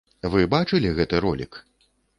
Вы бачылі гэты ролік?